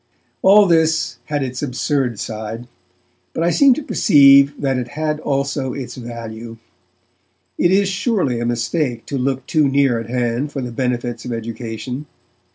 All this had its absurd side, but I seem to perceive that it had also its value. It is, surely, a mistake to look too near at hand for the benefits of education.